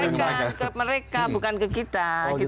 ya sama mereka bukan ke kita